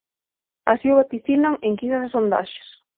Así o vaticinan enquisas e sondaxes.